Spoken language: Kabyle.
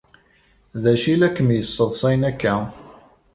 D acu ay la kem-yesseḍsayen akka?